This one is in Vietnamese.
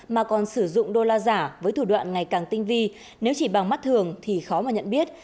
mà còn sử dụng đô la giả với thủ đoạn ngày càng tinh vi nếu chỉ bằng mắt thường thì khó mà nhận biết